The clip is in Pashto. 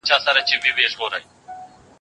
زه اوږده وخت د ښوونځي کتابونه مطالعه کوم!.